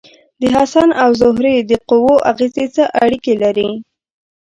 د حسن او زهرې د قوو اغیزې څه اړیکې لري؟